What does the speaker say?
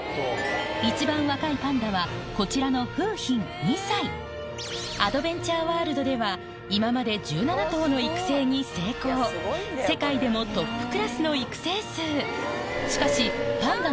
一番若いパンダはこちらのアドベンチャーワールドでは今まで１７頭の育成に成功世界でもトップクラスの育成数